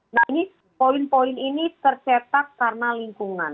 nah ini poin poin ini tercetak karena lingkungan